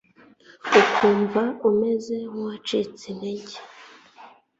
ukumva umeze nkuwacitse intege